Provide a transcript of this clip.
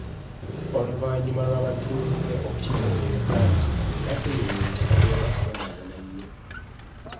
Oluvannyuma lw’abatuuze okugitegeeza nti singa teyimiriza bagenda kubonaabona nnyo.